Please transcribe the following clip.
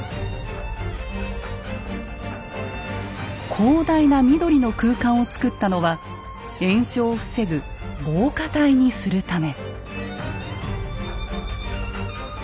広大な緑の空間を造ったのは延焼を防ぐ防火帯にするため。